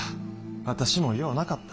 私もようなかった。